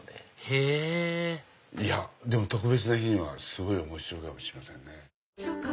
へぇ特別な日にはすごい面白いかもしれませんね。